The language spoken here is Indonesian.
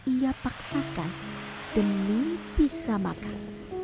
ia paksakan demi bisa makan